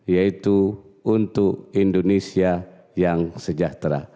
yaitu untuk indonesia yang sejahtera